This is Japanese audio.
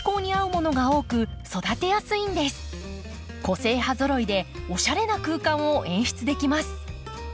個性派ぞろいでおしゃれな空間を演出できます。